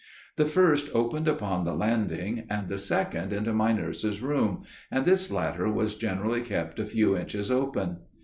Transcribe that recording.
The first opened upon the landing, and the second into my nurse's room, and this latter was generally kept a few inches open.